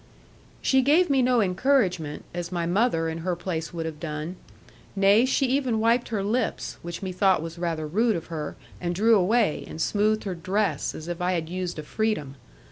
She gave me no encouragement, as my mother in her place would have done; nay, she even wiped her lips (which methought was rather rude of her), and drew away, and smoothed her dress, as if I had used a freedom.